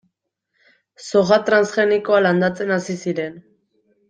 Soja transgenikoa landatzen hasi ziren.